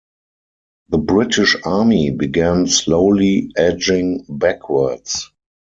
The British army began slowly edging backwards.